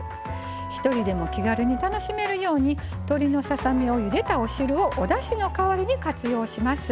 １人でも気軽に楽しめるように鶏のささ身をゆでたお汁をおだしの代わりに活用します。